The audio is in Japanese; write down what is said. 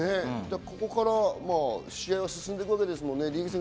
ここから試合が進んでいくんですもんね。